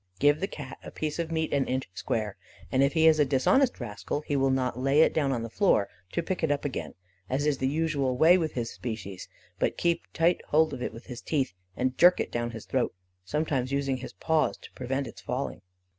Give the Cat a piece of meat an inch square, and if he is a dishonest rascal, he will not lay it down on the floor to pick it up again as is the usual way with his species, but keep tight hold of it with his teeth, and jerk it down his throat, sometimes using his paws to prevent its falling.